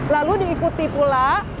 lalu diikuti pula